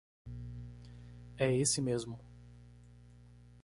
É esse mesmo.